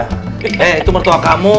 hei itu mertua kamu